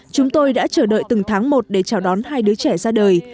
chúng tôi đã chờ đợi từng tháng một để chào đón hai đứa trẻ ra đời